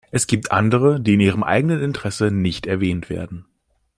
Es gibt andere, die in ihrem eigenen Interesse nicht erwähnt werden.